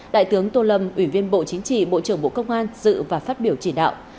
đại tướng tô lâm ủy viên bộ chính trị bộ trưởng bộ công an dự và phát biểu chỉ đạo